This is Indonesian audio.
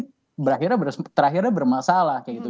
tapi terakhirnya bermasalah kayak gitu